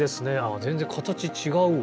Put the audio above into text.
全然形違うわ。